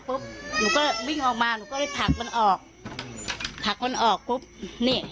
หนูก็วิ่งออกมาหนูก็เลยผลักมันออกผลักมันออกปุ๊บนี่